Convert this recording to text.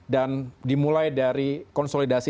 dan dimulai dari konsolidasi